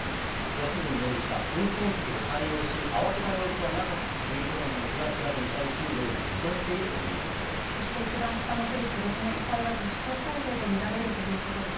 安栖容疑者、運転席で対応し、慌てた様子はなかったということなんですが、調べに対し、そして一番下のフリップですね、遺体は女子高校生と見られるということです。